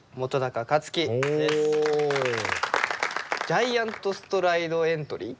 ジャイアント・ストライド・エントリー。